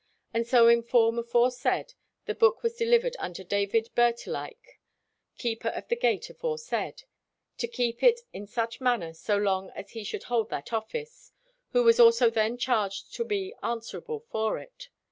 And so in form aforesaid the book was delivered unto David Bertelike, keeper of the gate aforesaid, to keep it in such manner so long as he should hold that office; who was also then charged to be answerable for it.